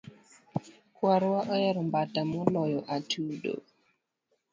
Kwarwa ohero mbata maloyo Atudo